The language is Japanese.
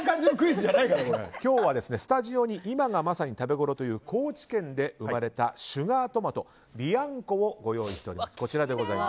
今日はスタジオに、今がまさに食べごろという高知県で生まれたシュガートマトビアンコを用意しております。